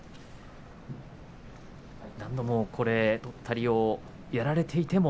何度もとったりをやらられていても。